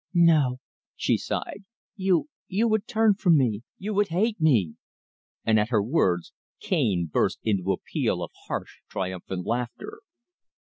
"No," she sighed. "You you would turn from me you would hate me!" And at her words Cane burst into a peal of harsh, triumphant laughter.